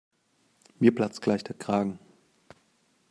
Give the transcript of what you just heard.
Mir platzt gleich der Kragen.